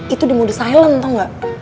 itu di mode silent tau gak